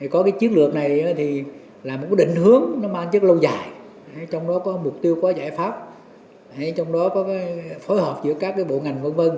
có cái chiến lược này thì là một định hướng nó mang chất lâu dài trong đó có mục tiêu có giải pháp trong đó có phối hợp giữa các bộ ngành v v